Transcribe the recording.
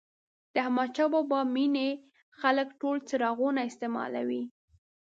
د احمدشاه بابا مېنې خلک ټول څراغونه استعمالوي.